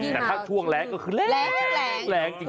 แต่ถ้าท่วงแรงก็คือแรงแรงแรงแรงแรงจริง